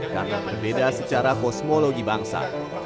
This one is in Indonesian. karena berbeda secara kosmologi bangsa